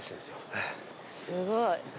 すごい。